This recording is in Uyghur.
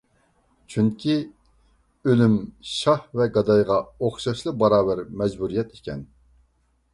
چۈنكى، ئۆلۈم شاھ ۋە گادايغا ئوخشاشلا باراۋەر مەجبۇرىيەت ئىكەن.